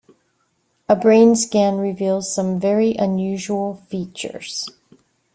A brain scan reveals some very unusual features.